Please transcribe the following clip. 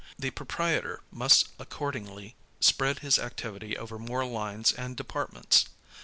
The proprietor must accord ingly spread his activity over more lines and departments.